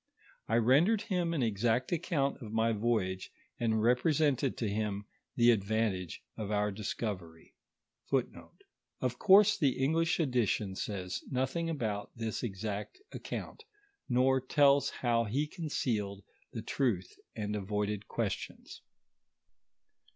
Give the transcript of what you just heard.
I rendered him an exact account of my voyage, and repre sented to him the advantage of our discovery.* * Of course the English edition says, nothing about this exact account^ nor tells how he concealed the truth and avoided questions.